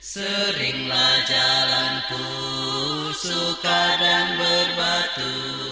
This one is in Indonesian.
seringlah jalanku suka dan berbatu